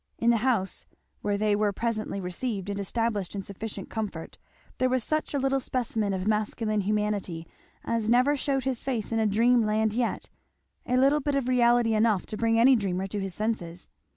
In the house where they were presently received and established in sufficient comfort, there was such a little specimen of masculine humanity as never shewed his face in dream land yet; a little bit of reality enough to bring any dreamer to his senses.